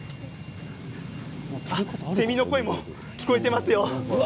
セミの声も聞こえていますよ。